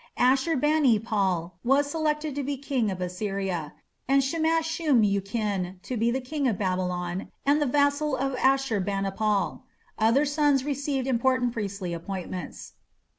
Ashur bani pal was selected to be King of Assyria, and Shamash shum ukin to be King of Babylon and the vassal of Ashur banipal. Other sons received important priestly appointments.